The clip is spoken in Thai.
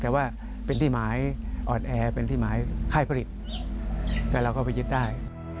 แต่ว่าเป็นที่หมายอ่อนแอเป็นที่หมายค่ายผลิตแล้วเราก็ไปยึดได้